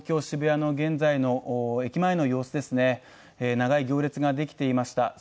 渋谷の現在の駅前の様子ですね長い行列ができていました。